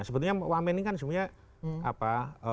sebetulnya wahyu sakti tenggono ini kan sebenarnya